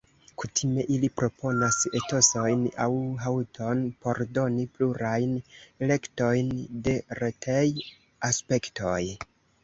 Kutime ili proponas "etosojn" aŭ "haŭton"' por doni plurajn elektojn de retej-aspektoj.